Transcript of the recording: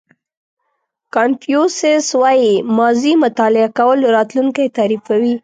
کانفیوسیس وایي ماضي مطالعه کول راتلونکی تعریفوي.